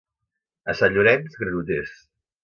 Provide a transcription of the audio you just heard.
A Sant Llorenç, granoters.